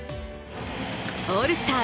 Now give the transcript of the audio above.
オールスター